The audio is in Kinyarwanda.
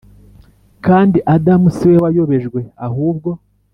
Kandi Adamu si we wayobejwe ahubwo